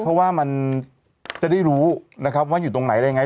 เพราะว่ามันจะได้รู้นะครับว่าอยู่ตรงไหนอะไรยังไง